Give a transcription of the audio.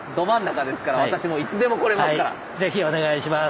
ぜひお願いします。